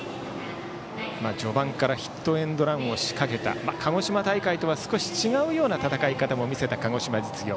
序盤からヒットエンドランを仕掛けた鹿児島大会とは少し違う戦いも見せた鹿児島実業。